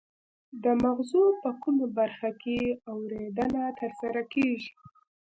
د مغزو په کومه برخه کې اوریدنه ترسره کیږي